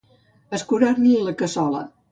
Escurar-li la cassola.